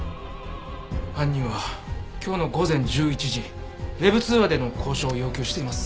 犯人は今日の午前１１時Ｗｅｂ通話での交渉を要求しています。